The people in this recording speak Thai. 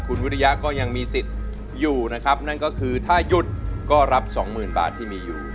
คุณวิริยะก็ยังมีสิทธิ์อยู่นะครับนั่นก็คือถ้าหยุดก็รับสองหมื่นบาทที่มีอยู่